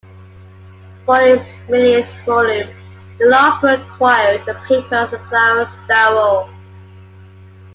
For its millionth volume, the Law School acquired the papers of Clarence Darrow.